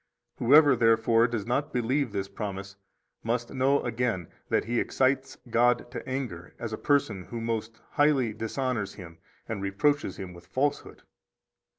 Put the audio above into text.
Whoever, therefore, does not believe this promise must know again that he excites God to anger as a person who most highly dishonors Him and reproaches Him with falsehood.